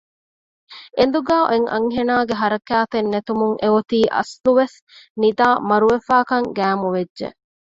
އެނދުގައި އޮތް އަންހެނާގެ ހަރަކާތެއް ނެތުމުން އެއޮތީ އަސްލުވެސް ނިދައި މަރުވެފައިކަން ގައިމުވެއްޖެ